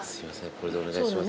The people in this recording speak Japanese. これでお願いします。